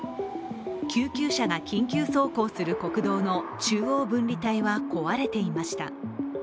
救急車が緊急走行する国道の中央分離帯は壊れていました。